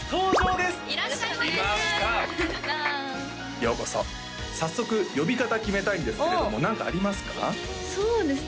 ようこそ早速呼び方決めたいんですけれども何かありますか？